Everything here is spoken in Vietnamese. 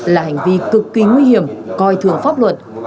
là hành vi cực kỳ nguy hiểm coi thường pháp luật